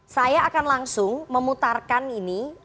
saya akan langsung memutarkan ini